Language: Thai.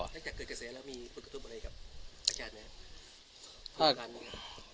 แล้วจากเกิดกระแสแล้วมีผลกระทบอะไรกับอาจารย์มั้ยครับ